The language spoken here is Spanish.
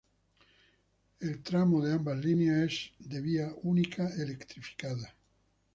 El tramo de ambas líneas es de vía única electrificada.